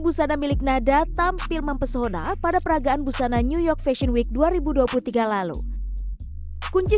busana milik nada tampil mempesona pada peragaan busana new york fashion week dua ribu dua puluh tiga lalu kunci